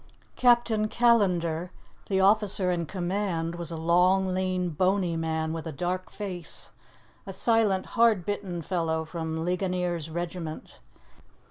Captain Callandar, the officer in command, was a long, lean, bony man with a dark face, a silent, hard bitten fellow from Ligonier's regiment.